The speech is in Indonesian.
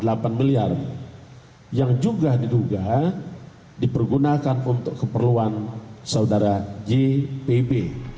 rp delapan miliar yang juga diduga dipergunakan untuk keperluan saudara jpb